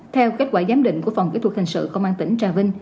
theo kết quả giám định của phòng kỹ thuật hình sự công an tỉnh trà vinh